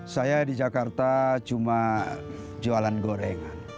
saya di jakarta cuma jualan gorengan